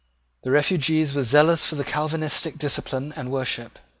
The refugees were zealous for the Calvinistic discipline and worship.